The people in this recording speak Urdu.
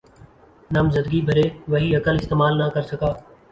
نامزدگی بھرے، وہی عقل استعمال نہ کر سکا۔